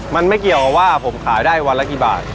มันไม่เกี่ยวกับว่าผมขายได้วันละกี่บาท